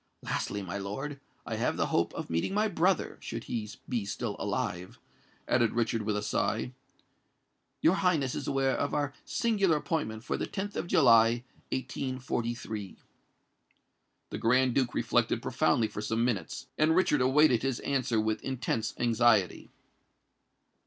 Lastly, my lord, I have the hope of meeting my brother—should he be still alive," added Richard, with a sigh. "Your Highness is aware of our singular appointment for the 10th of July, 1843." The Grand Duke reflected profoundly for some minutes; and Richard awaited his answer with intense anxiety.